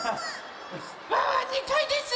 ワンワン２かいです。